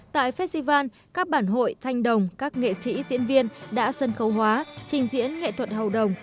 tại festival các bản hội thanh đồng các nghệ sĩ diễn viên đã sân khấu hóa trình diễn nghệ thuật hầu đồng